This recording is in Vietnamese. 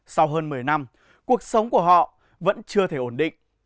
sau hơn một mươi năm cuộc sống của họ vẫn chưa thể ổn định